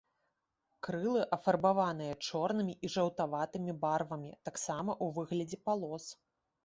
Крылы афарбаваныя чорнымі і жаўтаватымі барвамі, таксама ў выглядзе палос.